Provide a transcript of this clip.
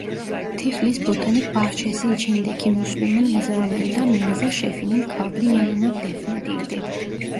Tiflis Botanik Bahçesi içindeki Müslüman mezarlığında Mirza Şefi'nin kabri yanına defnedildi.